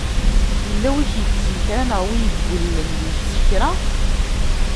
Yella win i ak-yekksen kra! Neɣ win i yeggulen deg-k s kra?